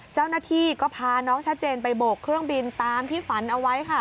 เจ้าหน้าที่ก็พาน้องชัดเจนไปโบกเครื่องบินตามที่ฝันเอาไว้ค่ะ